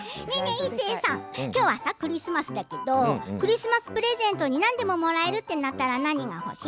一生さんきょうはクリスマスだけどクリスマスプレゼントに何でももらえるとなったら何がうれしい？